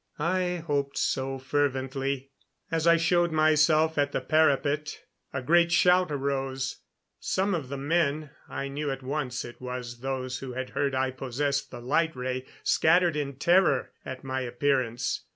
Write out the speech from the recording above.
I hoped so fervently. As I showed myself at the parapet a great shout arose. Some of the men I knew at once it was those who had heard I possessed the light ray scattered in terror at my appearance.